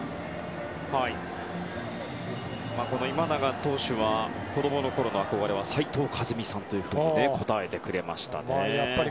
今永投手は子供のころの憧れは斉藤和巳さんと答えてくれました。